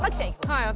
はい。